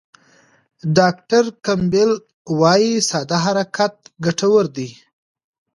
ډاکټر کمپبل وايي ساده حرکت ګټور دی.